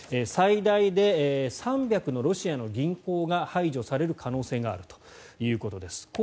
最大で３００のロシアの銀行が排除される可能性があるということです。